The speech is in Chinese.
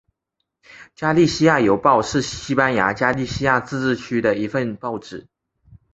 加利西亚邮报是西班牙加利西亚自治区的一份报纸。